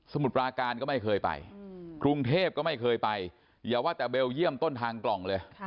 มุดปราการก็ไม่เคยไปกรุงเทพก็ไม่เคยไปอย่าว่าแต่เบลเยี่ยมต้นทางกล่องเลย